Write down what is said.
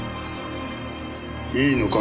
いいのか？